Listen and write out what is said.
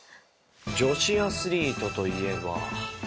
女子アスリートといえば。